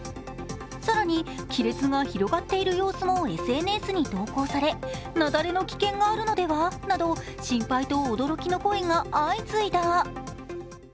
更に亀裂が広がっている様子もＳＮＳに投稿され、雪崩の危険があるのではなど、心配と驚きの声が相次いだ。